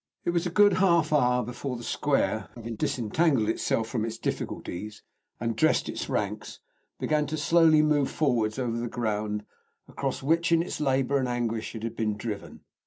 It was a good half hour before the square, having disentangled itself from its difficulties and dressed its ranks, began to slowly move forwards over the ground, across which in its labour and anguish it had been driven.